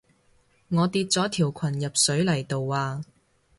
我跌咗條裙入泥水度啊